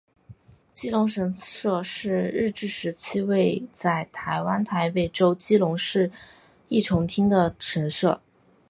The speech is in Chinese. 基隆神社是日治时期位在台湾台北州基隆市义重町的神社。